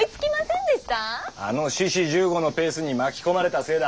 あの志士十五のペースに巻き込まれたせいだ。